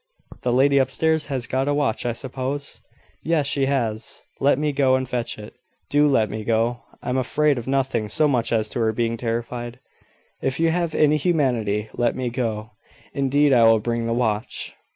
"The lady up stairs has got a watch, I suppose." "Yes, she has: let me go and fetch it. Do let me go. I am afraid of nothing so much as her being terrified. If you have any humanity, let me go. Indeed I will bring the watch."